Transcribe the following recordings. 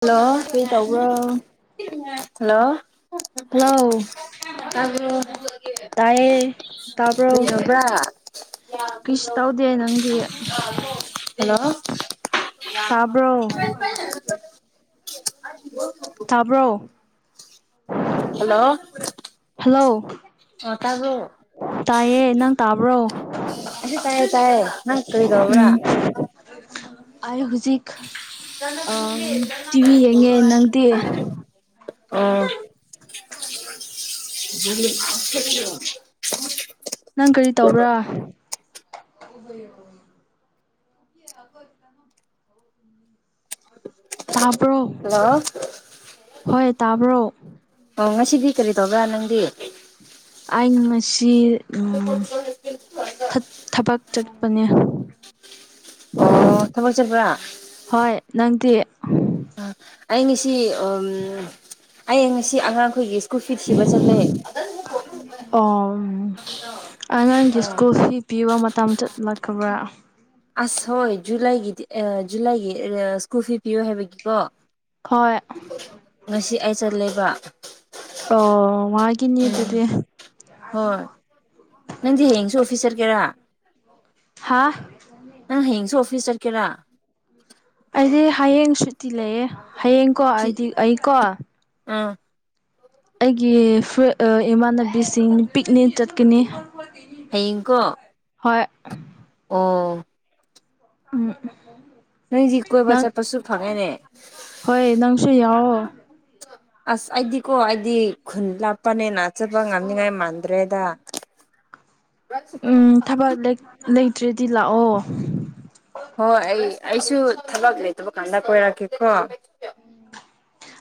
Hello ꯀꯔꯤ ꯇꯧꯕ꯭ꯔꯣ hello hello ꯑꯕꯨ ꯇꯥꯏꯌꯦ ꯇꯄ ꯕꯔꯥ ꯀꯤꯁ ꯇꯧꯗꯦ ꯅꯪꯗꯤ ꯍꯜꯂꯣ ꯇꯥꯕ꯭ꯔꯣ ꯑꯕꯨ ꯇꯥꯕ꯭ꯔꯣ ꯍꯜꯂꯣ ꯍꯜꯂꯣ ꯑ ꯇ ꯑꯗꯨ ꯇꯥꯏꯌꯦ ꯅꯪ ꯇꯥꯕ꯭ꯔꯣ ꯑꯁꯦ ꯇꯥꯏꯌꯦ ꯇꯥꯏꯌꯦ ꯅꯪ ꯀꯔꯤꯗꯕ꯭ꯔꯥ ꯑ ꯍꯧꯖꯤꯛ ꯉꯅ ꯀꯔꯤ ꯗꯔꯥ ꯇꯤꯚꯤ ꯌꯦꯡꯉꯦ ꯇꯧꯔꯣꯏ ꯅꯪꯗꯤ ꯑꯥ [unintelligible] ꯅꯪ ꯀꯔꯤ ꯇꯧꯕ꯭ꯔꯥ ꯎꯝ ꯑ ꯇꯥꯕ꯭ꯔꯣ ꯍꯣꯏ ꯇꯥꯕ꯭ꯔꯣ ꯑꯣ ꯉꯁꯤꯗꯤ ꯀꯔꯤ ꯇꯧꯕ꯭ꯔꯥ ꯅꯪꯗꯤ ꯑꯩꯅ ꯐꯣꯒ꯭ꯔꯥꯐ ꯊꯕꯛ ꯆꯠꯄꯅꯦ ꯑꯣ ꯊꯕꯛ ꯆꯠꯕ꯭ꯔꯥ ꯍꯣꯏ ꯅꯪꯗꯤ ꯑꯩ ꯉꯁꯤ ꯑꯩ ꯉꯁꯤ ꯑꯉꯥꯡꯈꯣꯏꯒꯤ ꯁ꯭ꯀꯨꯜ ꯐꯤꯠ ꯊꯤꯕ ꯆꯠꯂꯦ ꯑꯣ ꯑꯉꯥꯡꯒꯤ ꯁ꯭ꯀꯨꯜ ꯐꯤ ꯄꯤꯕ ꯃꯇꯝ ꯆꯠꯂꯛꯈ꯭ꯔꯥꯕ꯭ꯔꯥ ꯑꯁ ꯍꯣꯏ ꯖꯨꯂꯥꯏꯒꯤꯗꯤ ꯖꯨꯂꯥꯏꯒꯤ ꯁ꯭ꯀꯨꯜ ꯐꯤ ꯄꯤꯌꯣ ꯍꯥꯏꯕꯒꯤꯀꯣ ꯈꯣꯏ ꯉꯁꯤ ꯑꯩ ꯆꯠꯂꯕ ꯑꯣ ꯃꯥꯒꯤꯅꯤ ꯇꯗꯤ ꯍꯣꯏ ꯅꯪꯗꯤ ꯍꯌꯦꯡꯁꯨ ꯑꯣꯐꯤꯁ ꯆꯠꯀꯦꯔꯥ ꯍꯥꯥ ꯅꯪ ꯍꯦꯁꯨ ꯑꯣꯐꯤꯁꯁ ꯇꯔ ꯀꯦꯔꯥ ꯑꯩꯗꯤ ꯍꯌꯦꯡ ꯁꯨꯇꯤ ꯂꯩꯌꯦ ꯍꯌꯦꯡꯀꯣ ꯑꯩꯗꯤ ꯑꯩꯀꯣ ꯑꯥ ꯑꯩꯒꯤ ꯏꯃꯥꯟꯅꯕꯤꯁꯤꯡ ꯄꯤꯛꯅꯤꯛ ꯆꯠꯀꯅꯤ ꯍꯣꯏ ꯎꯝ ꯎꯝ ꯅꯪꯗꯤ ꯀꯣꯏꯕ ꯅꯪ ꯆꯠꯄꯁꯨ ꯐꯪꯉꯦꯅꯦ ꯍꯣꯏ ꯅꯪꯁꯨ ꯌꯥꯎꯑꯣ [unintelligible] ꯑꯁ ꯑꯩꯗꯤꯀꯣ ꯑꯩꯗꯤ ꯈꯨꯟ ꯂꯥꯞꯄꯅꯦꯅ ꯆꯠꯄ ꯉꯝꯅꯤꯉꯥꯏ ꯃꯥꯟꯗ꯭ꯔꯦꯗ [unintelligible] ꯎꯝ ꯊꯕꯛ ꯂꯩꯇ꯭ꯔꯦꯗꯤ ꯂꯥꯛꯑꯣ ꯍꯣꯏ ꯑꯩ ꯑꯩꯁꯨ ꯊꯕꯛ ꯂꯩꯇꯕ ꯀꯥꯟꯗ ꯀꯣꯏꯔꯛꯀꯦꯀꯣ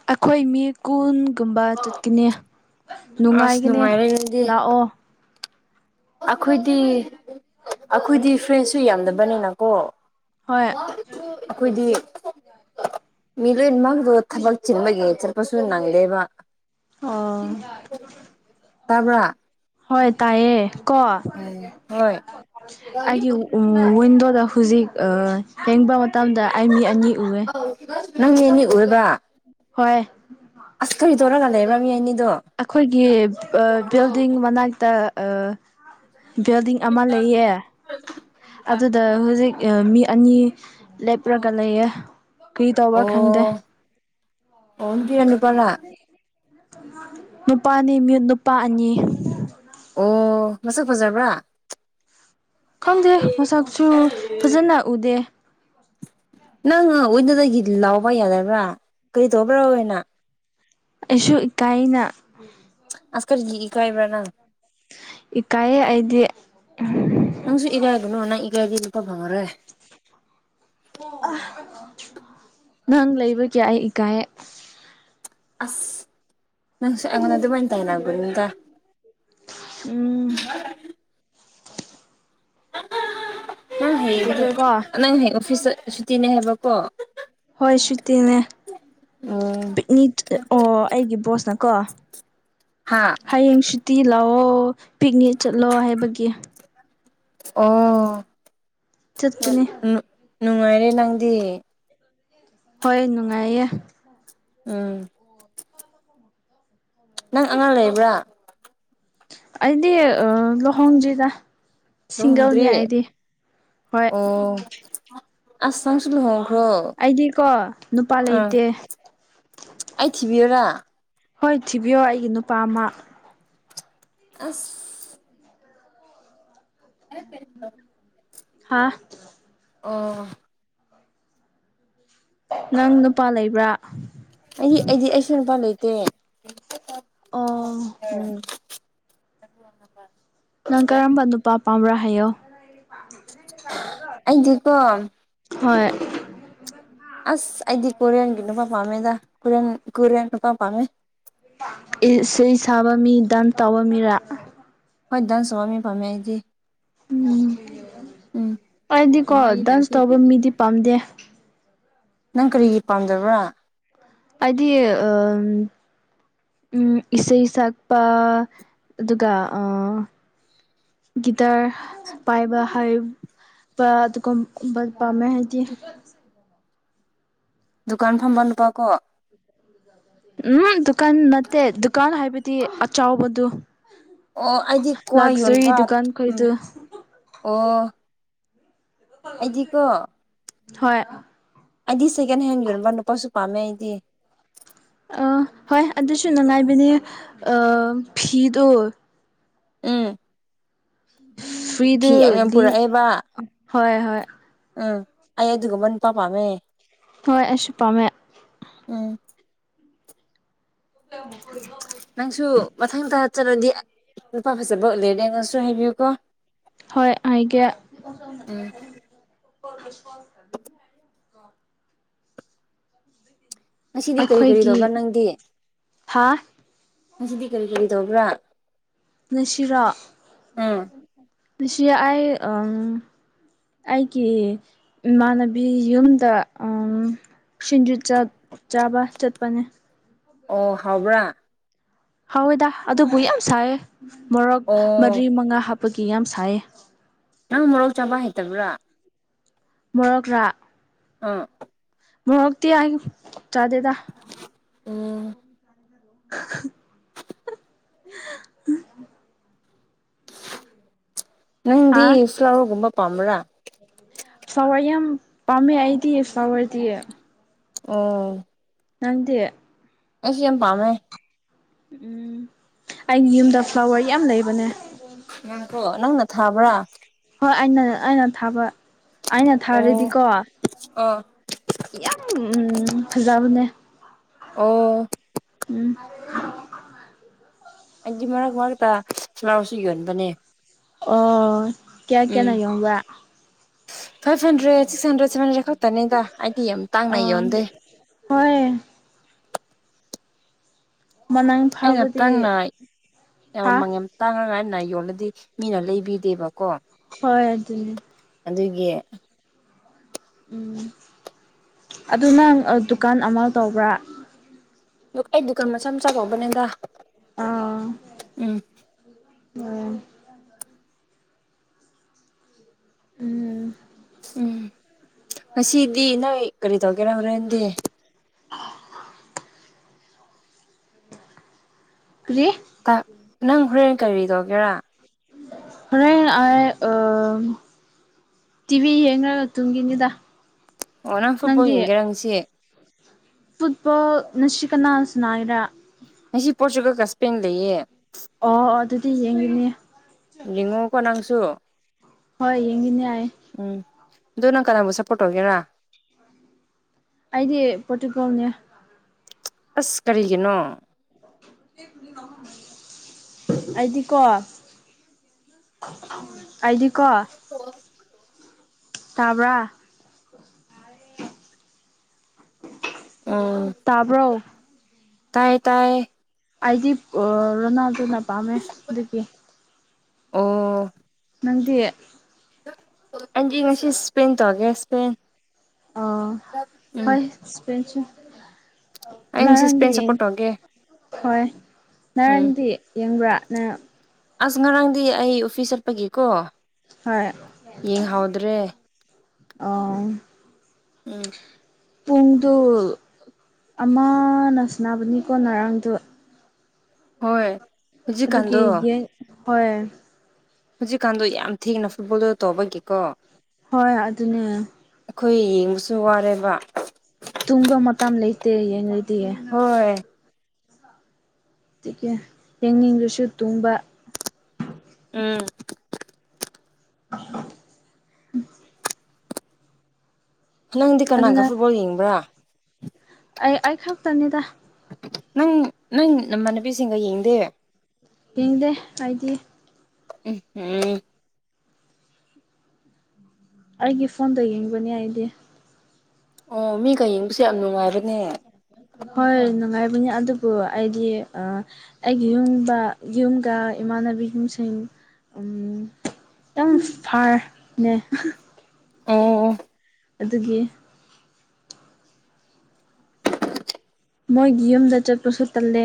ꯑꯩꯈꯣꯏ ꯃꯤ ꯀꯨꯟꯒꯨꯝꯕ ꯆꯠꯈꯤꯅꯦ ꯑꯁ ꯅꯨꯡꯉꯥꯏꯒꯅꯦ ꯅꯨꯡꯉꯥꯏꯔꯦ ꯑꯗꯨꯗꯤ ꯂꯥꯛꯑꯣ ꯑꯩꯈꯣꯏꯗꯤ ꯑꯩꯈꯣꯏꯗꯤ ꯐ꯭ꯔꯦꯟꯁꯁꯨ ꯌꯥꯝꯗꯕꯅꯤꯅꯀꯣ ꯍꯣꯏ ꯑꯩꯈꯣꯏꯗꯤ ꯃꯤ ꯂꯣꯏꯃꯛꯗꯨꯣ ꯊꯕꯛ ꯆꯤꯟꯕꯒꯤꯡ ꯆꯠꯄꯁꯨ ꯅꯪꯗꯦꯕ ꯑꯣ ꯇꯥꯕ꯭ꯔꯥ ꯍꯣꯏ ꯇꯥꯏꯑꯦ ꯀꯣ ꯎꯝ ꯍꯣꯏ ꯑꯩꯒꯤ ꯋꯤꯟꯗꯣꯗ ꯍꯧꯖꯤꯛ ꯍ‌ꯦꯡꯕ ꯃꯇꯝꯗ ꯑꯩ ꯃꯤ ꯑꯅꯤ ꯎꯏ ꯅꯪ ꯃꯤ ꯑꯅꯤ ꯎꯌꯦꯕ ꯍꯣꯏ ꯑꯁ ꯀꯔꯤ ꯇꯧꯔꯒ ꯂꯩꯕ꯭ꯔꯥ ꯃꯤ ꯑꯅꯤꯗꯣ ꯑꯩꯈꯣꯏꯒꯤ ꯕꯤꯜꯗꯤꯡ ꯃꯅꯥꯛꯇ ꯑ ꯕꯤꯜꯗꯤꯡ ꯑꯃ ꯂꯩꯌꯦ ꯑꯗꯨꯗ ꯍꯧꯖꯤꯛ ꯃꯤ ꯑꯅꯤ ꯂꯦꯞꯔꯒ ꯂꯩꯌꯦꯦ ꯀꯔꯤ ꯇꯧꯕ ꯈꯪꯗꯦ ꯑꯣ ꯑꯣ ꯅꯨꯄꯤꯔ ꯅꯤꯄꯥꯔ ꯅꯨꯄꯥꯅꯤ ꯅꯨꯄꯥ ꯑꯅꯤ ꯑꯣ ꯃꯁꯛ ꯐꯖꯕ꯭ꯔꯥ ꯈꯪꯗꯦ ꯃꯁꯛꯁꯨ ꯐꯖꯅ ꯎꯗꯦ꯫ ꯅꯪ ꯑꯣꯏꯅꯗꯒꯤ ꯂꯥꯎꯕ ꯌꯥꯗꯕ꯭ꯔꯥ ꯀꯔꯤ ꯇꯧꯕ꯭ꯔꯥꯅ ꯑ‌ꯣꯏꯅ ꯑꯩꯁꯨ ꯏꯀꯥꯏꯅ ꯑꯁ‌‌ ꯀꯔꯤꯒꯤ ꯏꯀꯥꯏꯕ꯭ꯔꯥ ꯅꯪ ꯏꯀꯥꯏꯌꯦ ꯑꯩꯗꯤ ꯅꯪꯁꯨ ꯏꯀꯥꯏꯒꯅ‌ꯣ ꯅꯪ ꯏꯀꯥꯏꯔꯗꯤ ꯅꯨꯄꯥ ꯐꯪꯉꯔ‌ꯣꯏ ꯑꯥ ꯅꯪ ꯂꯩꯕꯒꯤ ꯑꯩ ꯏꯀꯥꯏꯑꯦ ꯑꯁ ꯅꯪꯁꯨ ꯑꯩꯉꯣꯟꯅ ꯑꯗꯨꯃꯥꯏꯅ ꯇꯥꯏꯅꯒꯅꯨꯗ ꯎꯝ ꯅꯪ ꯍ ꯑꯗꯨꯒ ꯀꯣ ꯅꯪ ꯍꯦꯛ ꯑꯣꯐꯤꯁꯇ ꯁꯨꯇꯤꯅꯦ ꯍꯥꯏꯕꯀꯣ ꯍꯣꯏ ꯁꯨꯇꯤꯅꯦ ꯎꯝ ꯄꯤꯛꯅꯤꯛ ꯑꯣ ꯑꯩꯒꯤ ꯕꯣꯁꯅꯀꯣ ꯍꯥ ꯍꯌꯦꯡ ꯁꯨꯇꯤ ꯂꯥꯎꯑꯣ ꯄꯤꯛꯅꯤꯛ ꯆꯠꯂꯣ ꯍꯥꯏꯕꯒꯤ ꯑꯣ ꯆꯠꯀꯅꯤ ꯅꯨꯡꯉꯥꯏꯔꯦ ꯅꯪꯗꯤ ꯍꯣꯏ ꯅꯨꯡꯉꯥꯏꯌꯦ ꯎꯝ [unintelligible] ꯅꯪ ꯑꯉꯥꯡ ꯂꯩꯕ꯭ꯔꯥ ꯑꯩꯗꯤ ꯑ ꯂꯨꯍꯣꯡꯗꯔꯤꯗ ꯂꯨꯍꯣꯡꯗ꯭ꯔꯤ ꯍꯣꯏ ꯑꯣ ꯑꯁ ꯅꯪꯁꯨ ꯂꯨꯍꯣꯡꯈ꯭ꯔꯣ ꯑꯩꯗꯤꯀꯣ ꯅꯨꯄꯥ ꯑꯥ ꯂꯩꯇꯦ ꯑꯩ ꯊꯤꯕꯤꯌꯨꯔꯥ ꯍꯣꯏ ꯊꯤꯕꯤꯌꯣ ꯑꯩꯒꯤ ꯅꯨꯄꯥ ꯑꯃ ꯑꯁ ꯍꯥꯥ ꯑꯣ ꯅꯪ ꯅꯨꯄꯥ ꯂꯩꯕ꯭ꯔꯥ ꯑꯩꯗꯤ ꯑꯩꯗꯤ ꯑꯩꯁꯨ ꯅꯨꯄꯥ ꯂꯩꯇꯦ ꯑꯣ ꯎꯝ [unintelligible] ꯅꯪ ꯀꯔꯝꯕ ꯅꯨꯄꯥ ꯄꯥꯝꯕ꯭ꯔꯥ ꯍꯥꯏꯌꯣ ꯑꯩꯗꯤꯀꯣ ꯍꯣꯏ ꯑꯁ ꯑꯩꯗꯤ ꯀꯣꯔꯤꯌꯥꯟꯒꯤ ꯅꯨꯄꯥ ꯄꯥꯝꯃꯦꯗꯗꯥ ꯀꯣꯔꯤꯌꯥ ꯀꯣꯔꯤꯌꯥꯟ ꯅꯨꯄꯥ ꯄꯥꯝꯃꯦ ꯁꯤ ꯁꯥꯕ ꯃꯤ ꯗꯗꯥꯟ ꯇꯥꯎꯕ ꯃꯤꯔꯥ ꯍꯣꯏ ꯗꯟ ꯁꯨꯝꯕꯝꯃꯤ ꯐꯝꯃꯦ ꯑꯩꯗꯤ ꯎꯝ ꯎꯝ ꯑꯩꯗꯤꯀꯣ ꯗꯥꯟꯁ ꯇꯧꯕ ꯃꯤꯗꯤ ꯄꯥꯝꯗꯦ ꯅꯪ ꯀꯔꯤꯒꯤ ꯄꯥꯝꯗꯕ꯭ꯔꯥ ꯍꯥꯏꯗꯤ ꯑ ꯎ ꯏꯁꯩ ꯁꯛꯄ ꯑꯗꯨꯒ ꯒꯤꯇꯥꯔ ꯄꯥꯏꯕ ꯍꯥꯏꯕ ꯑꯗꯨꯒꯨꯝꯕ ꯄꯥꯝꯃꯦ ꯍꯥꯏꯗꯤ ꯗꯨꯀꯥꯟ ꯐꯝꯕ ꯅꯨꯄꯥ ꯀꯣ ꯎꯝ ꯗꯨꯀꯥꯟ ꯅꯠꯇꯦ ꯗꯨꯀꯥꯟ ꯍꯥꯏꯕꯗꯤ ꯑꯆꯥꯎꯕꯗꯨ ꯑꯣ ꯑꯩꯗꯤ ꯀ꯭ꯋꯥ ꯂꯛꯖꯔꯤ ꯌꯣꯟꯕ ꯗꯨꯀꯥꯟ ꯎꯝ ꯈꯣꯏꯗꯨ ꯑꯣ ꯑꯩꯗꯤꯀꯣ ꯍꯣꯏ ꯑꯩꯗꯤ ꯁꯦꯀꯦꯟꯍꯦꯟ ꯌꯣꯟꯕ ꯅꯨꯄꯥꯁꯨ ꯄꯥꯝꯃꯦ ꯑꯩꯗꯤ ꯑ ꯍꯣꯏ ꯑꯗꯨꯁꯨ ꯅꯉꯥꯏꯕꯅꯦ ꯐꯤꯗꯣ ꯎꯝ ꯐꯤ ꯐ꯭ꯔꯤꯗꯨ ꯌꯥꯝ ꯌꯥꯝ ꯗꯤ ꯄꯨꯔꯛꯑꯦꯕ ꯍꯣꯏ ꯍꯣꯏ ꯎꯝ ꯑꯩ ꯑꯗꯨꯒꯨꯝꯕ ꯅꯨꯄꯥ ꯄꯥꯝꯃꯦ ꯍꯣꯏ ꯑꯩꯁꯨ ꯄꯥꯝꯃꯦ ꯎꯝ [unintelligible] ꯅꯪꯁꯨ ꯃꯊꯪ ꯇꯥ ꯆꯠꯂꯗꯤ ꯂꯨꯄꯥ ꯐꯖꯕ ꯂꯩꯔꯗꯤ ꯑꯩꯒꯣꯟꯗꯥ ꯁꯨ ꯍꯥꯏꯕꯤꯌꯨꯀꯣ ꯍꯣꯏ ꯍꯥꯏꯒꯦ ꯎꯝ [unintelligible] ꯉꯁꯤꯗꯤ ꯀꯔꯤ ꯀꯔꯤ ꯑꯩꯈꯣꯏꯒꯤ ꯇꯧꯕ꯭ꯔꯥ ꯅꯪꯗꯤ ꯍꯥ ꯉꯁꯤꯗꯤ ꯀꯔꯤ ꯀꯔꯤ ꯇꯧꯕ꯭ꯔꯥ ꯁꯤꯔꯣ ꯎꯝ ꯅꯨꯡꯁꯤꯔ ꯑꯩ ꯑ ꯑꯩꯒꯤ ꯏꯃꯥꯟꯅꯕꯤ ꯌꯨꯝꯗ ꯁꯤꯡꯖꯨꯠ ꯆꯥꯕ ꯆꯠꯄꯅꯦ ꯑꯣ ꯍꯥꯎꯕ꯭ꯔꯥ ꯍꯥꯎꯋꯦꯗꯥ ꯑꯗꯨꯕꯨ ꯌꯥꯝ ꯁꯥꯏꯌꯦ ꯃꯣꯔꯣꯛ ꯑꯣ ꯃꯔꯤ ꯃꯉꯥ ꯍꯥꯞꯄꯒꯤ ꯌꯥꯝ ꯁꯥꯏꯌꯦ ꯅꯪ ꯃꯔꯣꯛ ꯆꯥꯕ ꯍꯩꯇꯕ꯭ꯔꯥ ꯃꯣꯔꯛꯔꯥ ꯑꯥ ꯃꯣꯔꯣꯛꯇꯤ ꯍꯥꯏ ꯆꯥꯗꯦꯗ ꯟꯣ [unintelligible] [inaudible] ꯍꯥ ꯅꯪꯗꯤ ꯆꯧꯑꯨꯝꯕ ꯄꯥꯝꯕ꯭ꯔꯥ ꯁꯋꯥꯏ ꯌꯥꯝ ꯄꯥꯝꯃꯦ ꯑꯩꯗꯤꯌꯦ ꯁꯋꯥꯏꯗꯤ ꯑꯣ ꯅꯪꯗꯤ ꯑꯩꯁꯨ ꯌꯥꯝ ꯄꯥꯝꯃꯦ ꯎꯝ ꯑꯩꯒꯤ ꯌꯨꯝꯗ ꯐ꯭ꯂꯥꯋꯔ ꯌꯥꯝ ꯂꯩꯕꯅꯦ ꯅꯪꯀꯣ ꯅꯪꯅ ꯊꯥꯕ꯭ꯔꯥ ꯍꯣꯏ ꯑꯩꯅ ꯑꯩꯅ ꯊꯥꯕ ꯑꯩꯅ ꯊꯥꯔꯗꯤꯀꯣ ꯑ ꯌꯥꯝ ꯎꯝ ꯐꯖꯕꯅꯦ ꯑꯣ ꯎꯝ ꯑꯩꯗꯤ ꯃꯔꯛ ꯃꯔꯛꯇ ꯁꯂꯥꯎꯁꯨ ꯌꯍꯟꯕꯅꯦ ꯑꯣ ꯀꯌꯥ ꯀꯌꯥꯅ ꯌꯕ five hundred six hundred seven hundred ꯈꯛꯇꯅꯤꯗ ꯑꯩꯗꯤ ꯌꯥꯝ ꯇꯥꯡꯅꯥ ꯑꯣ ꯌꯣꯟꯗꯦ꯫ ꯍꯣꯏ ꯃꯅꯥꯏ ꯑꯩ ꯅꯥ ꯇꯟꯅꯥꯏ ꯌꯝꯃꯃꯦꯟ ꯇꯥꯡꯅꯉꯥꯏꯅ ꯌꯣꯜꯂꯗꯤ ꯃꯤꯅ ꯂꯩꯕꯤꯗꯦꯕꯀꯣ ꯍꯣꯏ ꯑꯗꯨ ꯑꯗꯨꯗꯤ ꯑꯗꯨꯒꯤ ꯎꯝ ꯑꯗꯨ ꯅꯪ ꯗꯨꯀꯥꯟ ꯑꯃ ꯇꯧꯕ꯭ꯔꯥ ꯑꯩ ꯗꯨꯀꯥꯟ ꯃꯆꯥ ꯃꯆꯥ ꯇꯧꯕꯅꯦꯗꯥ ꯎꯝ ꯑꯝ ꯎꯝ ꯎꯝ ꯉꯁꯤꯗꯤ ꯅꯪ ꯀꯔꯤ ꯇꯧꯒꯦꯔ ꯍꯣꯔꯦꯟꯗꯤ ꯑꯥ ꯀꯔꯤ ꯅꯪ ꯍꯣꯔꯦꯟ ꯀꯔꯤ ꯇꯧꯒꯦꯔꯥ ꯍꯣꯔ ꯑꯥꯏ ꯑ ꯇꯤꯚꯤ ꯌꯦꯡꯔꯒ ꯇꯨꯡꯒꯤꯅꯤꯗ꯫ ꯑꯣ ꯅꯪ ꯐꯨꯠꯕꯣꯜ ꯌꯦꯡꯒꯦꯔꯪꯁꯤꯦ ꯐꯨꯠꯕꯣꯜ ꯉꯁꯤ ꯀꯅꯥꯁꯥꯟꯅꯥꯏꯔꯥ ꯑꯩꯁꯤ ꯄꯣꯔꯆꯨꯒꯜꯒ ꯏꯁꯄꯦꯟ ꯂꯩꯌꯦ ꯑꯣ ꯑꯣ ꯑꯗꯨꯗꯤ ꯌꯦꯡꯅꯤꯡꯉꯦ ꯂꯤꯡꯉꯨꯀꯣ ꯅꯪꯁꯨ ꯍꯣꯏ ꯌꯦꯡꯁꯤꯅꯦ ꯌꯥꯏꯌꯦ ꯎꯝ ꯑꯗꯣ ꯅꯪ ꯀꯅꯥꯕꯨ ꯁꯞꯄꯣꯔ꯭ꯠ ꯇꯧꯒꯦꯔꯥ ꯑꯗꯤ ꯄꯣꯇꯀꯥꯎꯅꯦ ꯑꯁ ꯀꯔꯤꯒꯤꯅꯣ ꯑꯩꯗꯤꯀꯣ ꯑꯥꯏꯗꯤ ꯀꯣ ꯍ ꯇꯥꯕ꯭ꯔꯥ ꯑꯣ ꯇꯥꯕ꯭ꯔꯣ ꯇꯥꯏꯌꯦ ꯇꯥꯏꯌꯦ ꯑꯩꯗꯤ ꯔꯣꯅꯥꯜꯗꯨꯅ ꯄꯥꯝꯃꯦ ꯑꯗꯨꯒꯤ ꯎ ꯅꯪꯗꯤ ꯑꯗꯤ ꯉꯁꯤ ꯏꯁꯄꯦꯟ ꯇꯧꯔꯒꯦ ꯁꯄꯦꯟ ꯑꯣ ꯍꯣꯏꯄ ꯑꯩ ꯉꯁꯤ ꯅꯍꯥꯟꯗꯤ ꯁ꯭ꯄꯦꯟ ꯌꯦꯡ ꯁꯞꯄꯣꯔꯠ ꯇꯧꯒꯦ ꯍꯣꯏ ꯎꯝ ꯉꯔꯥꯡꯗꯤ ꯌꯦꯡꯕ꯭ꯔꯥ ꯅꯪ ꯑꯁ ꯉꯔꯥꯡꯗꯤ ꯑꯩ ꯑꯣꯐꯤꯁ ꯆꯠꯄꯒꯤꯀꯣ ꯍꯣꯏ ꯌꯦꯡꯍꯥꯎꯗ꯭ꯔꯦ ꯑ ꯎꯝ ꯄꯨꯡꯗꯨ ꯑꯃꯅ ꯁꯥꯟꯅꯕꯅꯤꯀꯣ ꯉꯔꯥꯡꯗꯨ ꯍꯣꯏ ꯑꯗꯨ ꯀ ꯍꯧꯖꯤꯛꯀꯥꯟꯗꯣ ꯍ ꯍꯧꯖꯤꯛꯀꯥꯟꯗꯣ ꯌꯥꯝ ꯊꯦꯡꯅ ꯐꯨꯠꯕꯣꯜꯗꯨꯗ ꯇꯧꯕꯒꯤꯀꯣ ꯍꯣꯏ ꯑꯗꯨꯅꯦ ꯑꯩꯈꯣꯏ ꯌꯦꯡꯕꯁꯨ ꯋꯥꯔꯦꯕ ꯇꯨꯝꯕ ꯃꯇꯝ ꯂꯩꯇꯦ ꯌꯦꯡꯉꯗꯤ ꯍꯣꯏ ꯑꯀ ꯌꯦꯡꯅꯤꯡꯕꯁꯨ ꯇꯨꯡꯕ ꯎꯝ ꯅꯪꯗꯤ ꯀꯅꯥꯒ ꯑꯗꯨꯅ ꯐꯨꯠꯕꯣꯜ ꯌꯦꯡꯕ꯭ꯔꯥ ꯑꯩ ꯑꯩ ꯈꯛꯇꯅꯤꯗ ꯅꯪ ꯅꯪ ꯅꯃꯥꯟꯅꯕꯤꯁꯤꯡꯒ ꯌꯦꯡꯗꯦ ꯌꯦꯡꯗꯦ ꯑꯩꯗꯤ ꯎꯝ ꯎꯝ ꯑꯩꯒꯤ ꯐꯣꯟꯗ ꯌꯦꯡꯕꯅꯦ ꯑꯩꯗꯤ ꯎꯝ ꯃꯤꯒ ꯌꯦꯡꯕꯁꯦ ꯌꯥꯝ ꯅꯨꯡꯉꯥꯏꯕꯥꯅꯦ꯫ ꯍꯣꯏ ꯅꯨꯡꯉꯥꯏꯕꯅꯤ ꯑꯗꯨꯕꯨ ꯑꯩꯗꯤ ꯑꯩꯒꯤ ꯌꯨꯝꯕ ꯌꯨꯝꯒ ꯏꯃꯥꯟ ꯅꯕꯤ ꯌꯨꯝ ꯁꯤꯟ꯫ ꯎꯝ ꯇꯪ ꯐꯥꯔ ꯅꯦ ꯑꯣ ꯑꯗꯨꯒꯤ ꯃꯣꯏꯒꯤ ꯌꯨꯝꯗ ꯆꯠꯄꯁꯨ ꯇꯜꯂꯦ꯫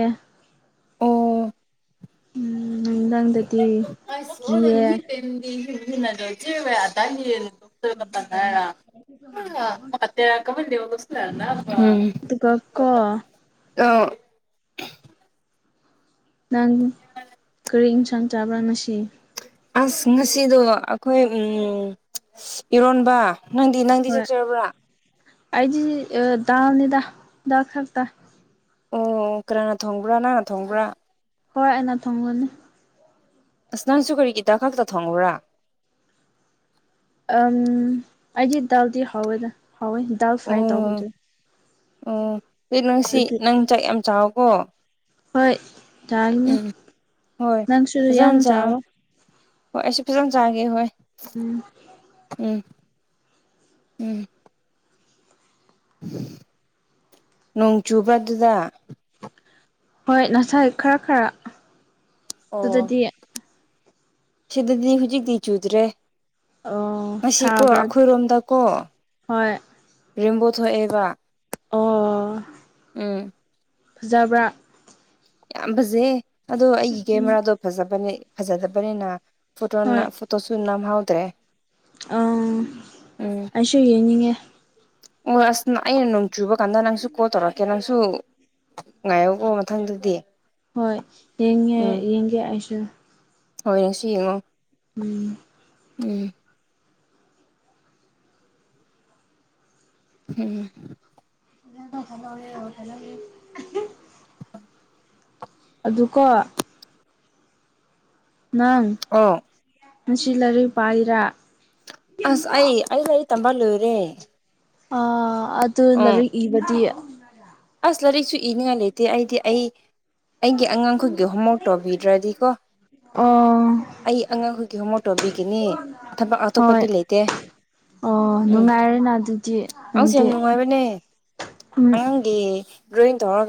ꯅꯨꯡꯗꯥꯡꯗꯗꯤ ꯑ ꯁꯣ ꯀꯤꯌꯦ ꯇꯗꯤ ꯆꯤꯃꯨꯌꯥ ꯇꯥꯏꯅꯤ ꯇꯟꯅꯦꯔꯥ [unintelligible] ꯑꯗꯨꯒ ꯀꯣ [unintelligible] ꯎꯝ ꯑ ꯅꯪ ꯀꯔꯤ ꯏꯟꯁꯥꯡ ꯆꯥꯕ꯭ꯔꯥ ꯉꯁꯤ ꯑꯁ ꯉꯁꯤꯗꯣ ꯑꯩꯈꯣꯏ ꯎꯝ ꯏꯔꯣꯟꯕ ꯅꯪꯗꯤ ꯅꯪꯗꯤ ꯆꯛꯆꯥꯔꯕ꯭ꯔꯥ ꯑꯩꯗ ꯗꯥꯜ ꯅꯤ ꯗꯥ ꯗꯥꯜ ꯈꯥꯛꯇ꯫ ꯑꯣ ꯀꯅꯥꯅ ꯊꯣꯡꯕ꯭ꯔꯥ ꯅꯪꯅ ꯊꯣꯡꯕ꯭ꯔꯥ ꯍꯣꯏ ꯑꯩꯅ ꯊꯣꯡꯒꯅꯤ ꯑꯁ ꯅꯪꯁꯨ ꯀꯔꯤꯒꯤ ꯇꯥꯈꯛꯇ ꯊꯣꯡꯉꯨꯔꯥ ꯑꯝ ꯑꯩꯗꯤ ꯗꯧꯗ ꯍꯥꯎꯋꯦꯗ ꯍꯥꯎꯋꯦ ꯗꯧ ꯐ꯭ꯔꯥꯏ ꯇꯧꯕꯗꯨ ꯎꯝ ꯏꯔꯣꯟꯁꯤꯟ ꯑꯗꯨꯒꯤ ꯅꯪ ꯆꯥꯛ ꯌꯥꯝ ꯆꯥꯎꯀꯣ ꯍꯣꯏ ꯌꯥꯔꯤꯅꯤ ꯎꯝ ꯍꯣꯏ ꯅꯪꯁꯨꯁꯨ ꯌꯥꯝ ꯐꯖꯅ ꯆꯥ ꯆꯥꯎꯕ ꯍꯣꯏ ꯑꯩꯁꯨ ꯐꯖꯅ ꯆꯥꯒꯦ ꯍꯣꯏ꯫ ꯎꯝ ꯎꯝ ꯎꯝ ꯅꯣꯡ ꯆꯨꯕ ꯑꯗꯨꯗ ꯍꯣꯏ ꯉꯁꯥꯏ ꯈꯔ ꯈꯔ ꯑꯣ ꯑꯗꯨꯗꯗꯤ ꯁꯤꯗꯗꯤ ꯍꯧꯖꯤꯛꯇꯤ ꯆꯨꯗ꯭ꯔꯦ ꯑꯣ ꯉꯁꯤꯀꯣ ꯁꯥꯕ꯭ꯔꯥ ꯑꯩꯈꯣꯏꯔꯣꯝꯗꯀꯣ ꯍꯣꯏ ꯔꯤꯦꯝꯝꯕꯣ ꯊꯣꯛꯑꯦꯕ ꯑꯣ ꯎꯝ ꯐꯖꯕ꯭ꯔꯥ ꯌꯥꯝ ꯐꯖꯩꯌꯦ ꯑꯗꯣ ꯑꯩꯒꯤ ꯎꯝ ꯀꯦꯃꯦꯔꯥꯗꯣ ꯐꯖꯕꯅꯦ ꯐꯖꯗꯕꯅꯤꯅꯥ꯫ ꯍꯣꯏ ꯐꯣꯇꯣꯅ ꯐꯣꯇꯣꯁꯨꯨ ꯅꯝ ꯍꯥꯎꯗ꯭ꯔꯦ ꯎꯝ ꯑꯩꯁꯨ ꯌꯦꯡꯅꯤꯡꯉꯦ꯫ ꯑꯣ ꯑꯁ ꯑꯩꯅ ꯅꯣꯡ ꯆꯨꯕ ꯀꯥꯟꯗ ꯅꯪꯁꯨ ꯀꯣꯜ ꯇꯧꯔꯛꯀꯦ ꯅꯪꯁꯨ ꯉꯥꯏꯌꯣ ꯀꯣ ꯃꯊꯪꯗꯨꯗꯤ꯫ ꯍꯣꯏ ꯌꯦꯡꯉꯦ ꯌꯦꯡꯒꯦ ꯑꯩꯁꯨ ꯍꯣꯏ ꯉꯁꯤ ꯌꯦꯡꯉꯣ ꯎꯝ ꯎꯝ ꯎꯝ [unintelligible] ꯑꯗꯨꯀꯣ ꯅꯪ ꯑꯣ ꯉꯁꯤ ꯂꯥꯏꯔꯤꯛ ꯄꯥꯏꯔꯥ ꯑꯁ ꯑꯩ ꯑꯩ ꯂꯥꯏꯔꯤꯛ ꯇꯝꯕ ꯂ‌ꯣꯏꯔꯦ ꯑꯥ ꯑꯗꯨ ꯂꯥꯏꯔꯤꯛ ꯏꯕꯗꯤ꯫ ꯑꯁ ꯂꯥꯏꯔꯤꯛꯁꯨ ꯏꯅꯤꯡꯉꯥꯏ ꯂꯩꯇꯦ ꯑꯩꯗꯤ ꯑꯩ ꯑꯩꯒꯤ ꯑꯉꯥꯡ ꯈꯣꯏꯒꯤ ꯍ‌ꯣꯝꯋꯥꯛ ꯇꯧꯕꯤꯗ꯭ꯔꯗꯤ ꯀꯣ꯫ ꯑꯣ ꯑꯩ ꯑꯉꯥꯡꯈꯣꯏꯒꯤ ꯍꯣꯝꯋꯥꯛ ꯇꯣꯕꯤꯒꯅꯤ ꯊꯕꯛ ꯍꯣꯏ ꯑꯇꯣꯞꯄꯗꯤ ꯂꯩꯇꯦ꯫ ꯑꯣ ꯎꯝ ꯅꯨꯡꯉꯥꯏꯔꯦꯅꯥ ꯑꯗꯨ ꯑꯁ ꯌꯥꯝ ꯅꯨꯡꯉꯥꯏꯕꯅꯦ ꯎꯝ ꯑꯉꯥꯡꯒꯤ ꯗ꯭ꯔꯣꯌꯤꯡ ꯇꯧꯔꯒ